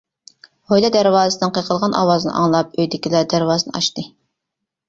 ھويلا دەرۋازىسىنىڭ قېقىلغان ئاۋازىنى ئاڭلاپ ئۆيدىكىلەر دەرۋازىنى ئاچتى.